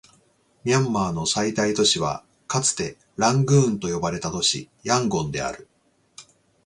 ミャンマーの最大都市はかつてラングーンと呼ばれた都市、ヤンゴンである